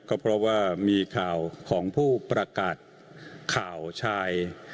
ก็เพราะว่ามีข่าวของผู้ประกาศข่าวชาย